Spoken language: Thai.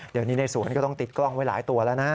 เดี๋ยวนี้ในสวนก็ต้องติดกล้องไว้หลายตัวแล้วนะ